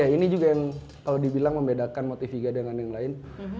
ini juga yang kalau dibilang membedakan motiviga dengan yang lain